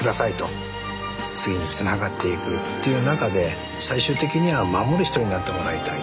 次につながっていくっていう中で最終的には守る人になってもらいたい。